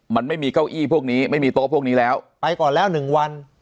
มันไม่มีเก้าอี้พวกนี้ไม่มีโต๊ะพวกนี้แล้วไปก่อนแล้วหนึ่งวัน